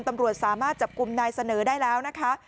ตำรวจสามารถจับกลุ่มนายเสนอได้แล้วนะคะ